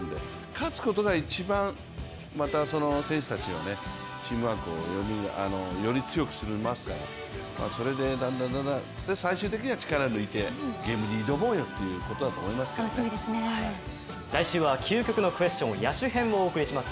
勝つことが一番、また選手たちのチームワークをより強くしますから、それでだんだんだんだん、最終的には力を抜いてゲームに挑もうよということだと思いますから来週は究極のＱｕｅｓｔｉｏｎ野手編をお送りいたします。